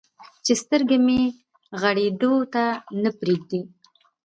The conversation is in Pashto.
چې سترګې مې غړېدو ته نه پرېږدي.